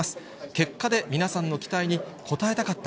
結果で皆さんの期待に応えたかった。